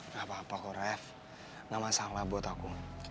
nggak apa apa kok rev nggak masalah buat aku